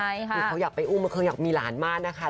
คือเขาอยากไปอุ้มไม่เคยอยากมีหลานมากนะคะ